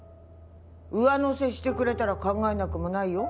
上乗せしてくれたら考えなくもないよ。